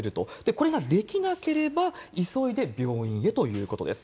これができなければ、急いで病院へということです。